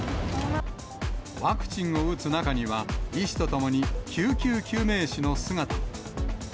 ワクチンを打つ中には、医師とともに救急救命士の姿も。